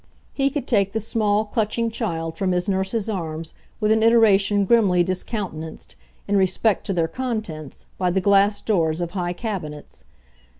He could take the small clutching child from his nurse's arms with an iteration grimly discountenanced, in respect to their contents, by the glass doors of high cabinets.